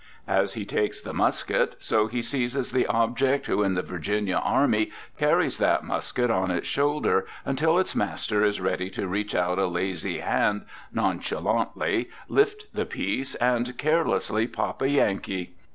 As he takes the musket, so he seizes the object who in the Virginia army carries that musket on its shoulder until its master is ready to reach out a lazy hand, nonchalantly lift the piece, and carelessly pop a Yankee.